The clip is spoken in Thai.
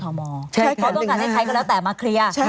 เขาต้องการให้ใครก็แล้วแต่มาเคลียร์